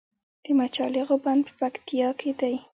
د مچالغو بند په پکتیا کې دی